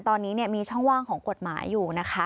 ตอนนี้มีช่องว่างของกฎหมายอยู่นะคะ